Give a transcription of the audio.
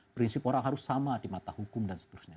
prinsip orang harus sama di mata hukum dan seterusnya